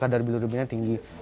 kadar bilirubinnya tinggi